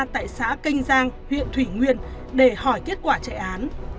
tại xã kênh giang huyện thủy nguyên để hỏi kết quả chạy án